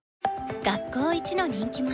学校イチの人気者